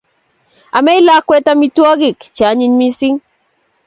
Amei lakwet amitwogik che anyiny mising